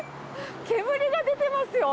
煙が出てますよ。